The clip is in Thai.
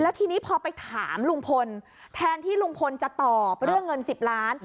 ทีนี้พอไปถามลุงพลแทนที่ลุงพลจะตอบเรื่องเงิน๑๐ล้าน